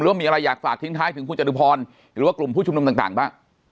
ว่ามีอะไรอยากฝากทิ้งท้ายถึงคุณจตุพรหรือว่ากลุ่มผู้ชุมนุมต่างบ้าง